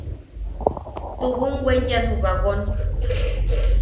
Tubum weyan ju bagon.